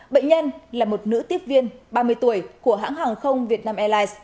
bệnh nhân là một nữ tiếp viên ba mươi tuổi của hãng hàng không vietnam airlines